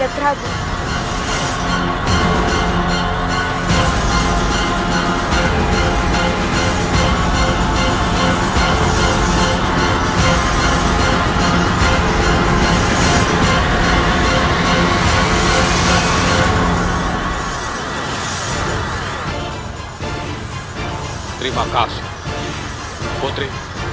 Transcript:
terima kasih putri